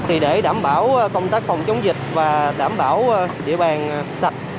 thì để đảm bảo công tác phòng chống dịch và đảm bảo địa bàn sạch